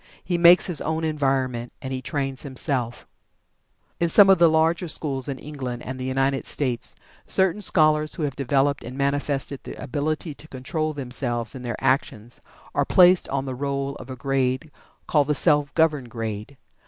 He makes his own environment, and he trains himself. In some of the larger schools in England and the United States, certain scholars who have developed and manifested the ability to control themselves and their actions are placed on the roll of a grade called the "Self governed grade."